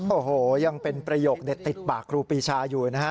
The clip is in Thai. โอ้โหยังเป็นประโยคเด็ดติดปากครูปีชาอยู่นะฮะ